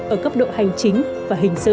ở cấp độ hành chính và hình sự